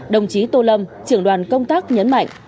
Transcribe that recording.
đồng chí tô lâm trưởng đoàn công tác nhấn mạnh